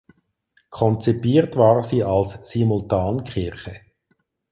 Konzipiert war sie als Simultankirche.